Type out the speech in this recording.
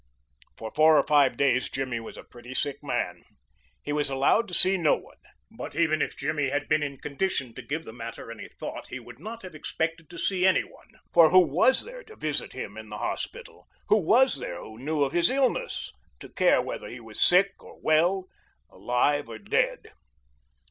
For four or five days Jimmy was a pretty sick man. He was allowed to see no one, but even if Jimmy had been in condition to give the matter any thought he would not have expected to see any one, for who was there to visit him in the hospital, who was there who knew of his illness, to care whether he was sick or well, alive or dead?